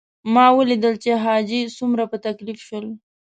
ما ولیدل چې حاجي څومره په تکلیف شول.